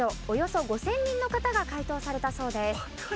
およそ５０００人の方が回答されたそうです。